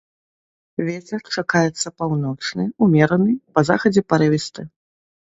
Вецер чакаецца паўночны ўмераны, па захадзе парывісты.